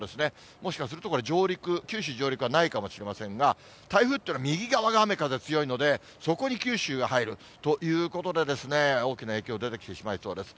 もしかすると、これ、上陸、九州北部は上陸はないかもしれませんが、台風ってのは、右側が雨風強いので、そこに九州が入るということで、大きな影響出てきてしまいそうです。